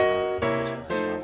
よろしくお願いします。